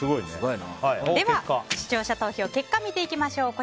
視聴者投票の結果、見ていきましょう。